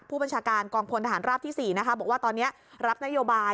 ผู้บัญชาการกองพลทหารราบที่๔นะคะบอกว่าตอนนี้รับนโยบาย